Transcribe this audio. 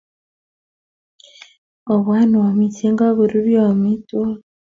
Opwan oamisye kakoruryo amitwogik